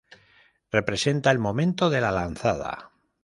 Representa el momento de la lanzada.